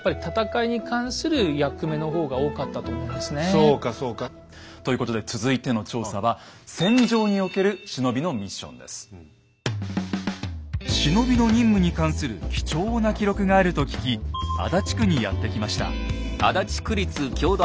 そうかそうか。ということで続いての調査は忍びの任務に関する貴重な記録があると聞き足立区にやって来ました。